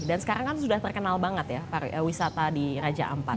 sekarang kan sudah terkenal banget ya pariwisata di raja ampat